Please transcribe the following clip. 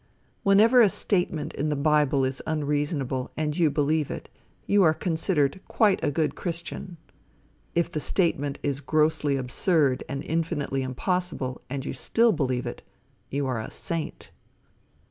Whenever a statement in the bible is unreasonable, and you believe it, you are considered quite a good christian. If the statement is grossly absurd and infinitely impossible, and you still believe it, you are a saint.